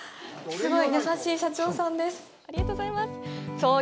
すごい！